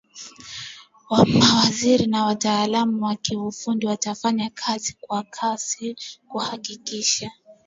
mawaziri na wataalamu wa kiufundi watafanya kazi kwa kasi kuhakikisha